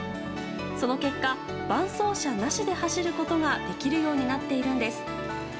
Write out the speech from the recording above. その結果伴走者なしで走ることができるようになっているんです。